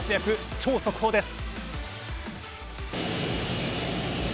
超速報です。